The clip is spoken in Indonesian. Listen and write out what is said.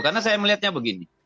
karena saya melihatnya begini